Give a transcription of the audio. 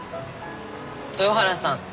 豊原さん